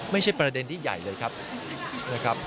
ไม่ใช่ประเด็นที่ใหญ่เลยครับ